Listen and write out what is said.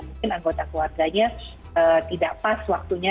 mungkin anggota keluarganya tidak pas waktunya